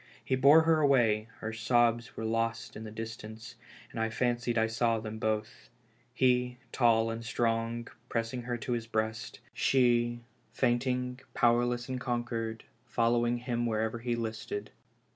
He bore her away, her sobs were lost in the distance, and I fancied I saw them both — he, tall and strong, pressing her to his breast; she, fainting, powerless and conquered, following him wherever he listed.